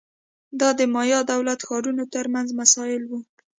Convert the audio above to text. دا د مایا دولت ښارونو ترمنځ مسایل وو